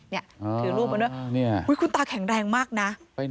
นี่ถือรูปมาด้วยคุณตาแข็งแรงมากนะ